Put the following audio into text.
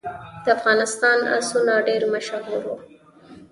د افغانستان آسونه ډیر مشهور وو